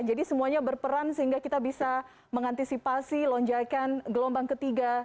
jadi semuanya berperan sehingga kita bisa mengantisipasi lonjakan gelombang ketiga